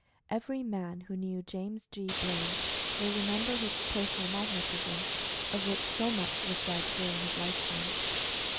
Every man who knew James G. Blaine, will remember his "Personal Magnetism," of which so much was said during his lifetime.